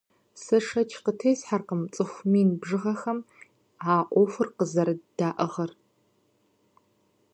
Сэ шэч къытесхьэркъым цӀыху мин бжыгъэхэм а Ӏуэхур къызэрыддаӀыгъыр.